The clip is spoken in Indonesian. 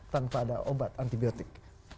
tanpa ada obat antibiotik